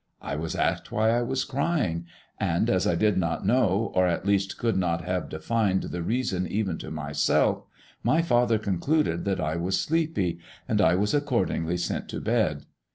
I was asked why I was crying, and as I did not know or at least could not have defined the reason even to myself, my father concluded that I was sleepy, and I was accordingly sent to bed.